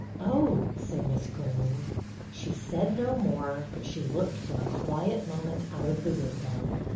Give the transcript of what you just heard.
" Oh," said Miss Greene. She said no more, but she looked for a quiet moment out of the window.